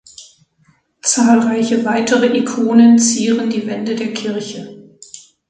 Zahlreiche weitere Ikonen zieren die Wände der Kirche.